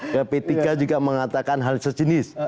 ya p tiga juga mengatakan hal sejenis